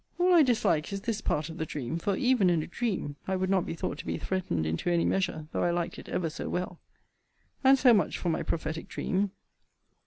All I dislike is this part of the dream: for, even in a dream, I would not be thought to be threatened into any measure, though I liked it ever so well. And so much for my prophetic dream.